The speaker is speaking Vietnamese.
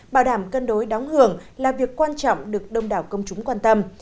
bảo đảm cân đối đóng hưởng là việc quan trọng được đông đảo công chúng quan tâm